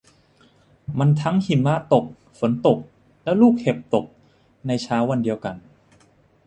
มันทั้งหิมะตกฝนตกแล้วลูกเห็บตกในเช้าวันเดียวกัน